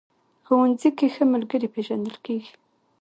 ښوونځی کې ښه ملګري پېژندل کېږي